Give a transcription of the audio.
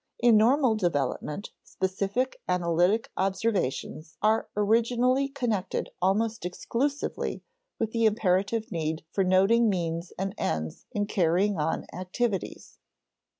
In normal development, specific analytic observations are originally connected almost exclusively with the imperative need for noting means and ends in carrying on activities.